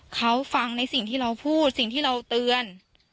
เขาฟังในสิ่งที่เราพูดสิ่งที่เราเตือน